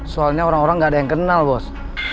soalnya orang orang gak ada yang kenal bos